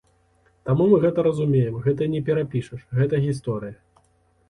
Таму мы гэта разумеем, гэта не перапішаш, гэта гісторыя.